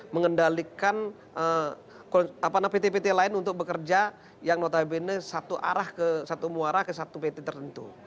mengendalikan pt pt lain untuk bekerja yang notabene satu arah ke satu muara ke satu pt tertentu